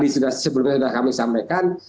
sebelumnya kami sudah sampaikan